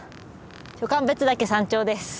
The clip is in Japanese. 暑寒別岳山頂です。